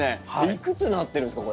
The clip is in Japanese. いくつなってるんですか？